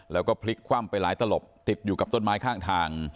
แล้วก็พลิกคว่ำไปหลายตลบติดอยู่กับต้นไม้ข้างทาง